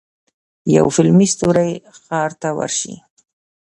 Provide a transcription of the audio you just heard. یو فلمي ستوری ښار ته ورشي.